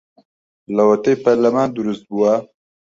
لەوەتەی پەرلەمان دروست بووە